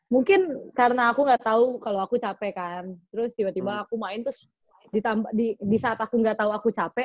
mungkin karena aku ga tau kalo aku capek kan terus tiba tiba aku main terus di saat aku ga tau aku capek